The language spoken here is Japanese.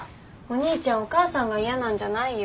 お兄ちゃんお母さんが嫌なんじゃないよ。